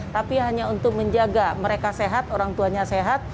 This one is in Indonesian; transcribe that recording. tapi hanya untuk menjaga mereka sehat orang tuanya sehat